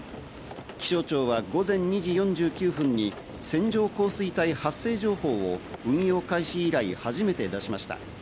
気象庁は午前２時４９分に線状降水帯発生情報を運用開始以来初めて出しました。